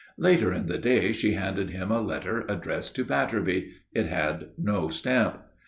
Later in the day she handed him a letter addressed to Batterby. It had no stamp.